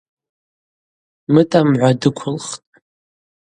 Мытӏа мгӏва дыквылхтӏ.